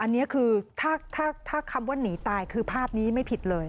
อันนี้คือถ้าคำว่าหนีตายคือภาพนี้ไม่ผิดเลย